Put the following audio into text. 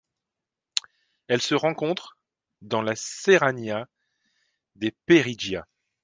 Elle se rencontre dans la Serranía de Perijá.